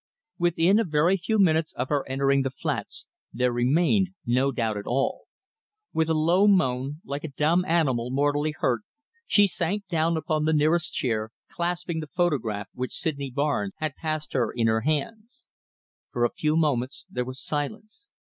Within a very few minutes of her entering the flats there remained no doubt at all. With a low moan, like a dumb animal mortally hurt, she sank down upon the nearest chair, clasping the photograph which Sydney Barnes had passed her in her hands. For a few moments there was silence.